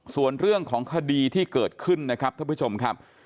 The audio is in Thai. ส่วนเรื่องของคดีที่เกิดขึ้นนะครับท่านผู้ชมครับ